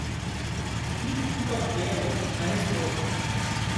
Clique com cautela na resposta!